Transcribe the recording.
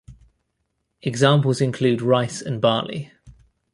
Examples include rice and barley.